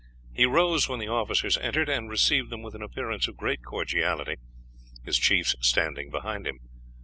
He rose when the officers entered, and received them with an appearance of great cordiality, his chiefs standing behind him.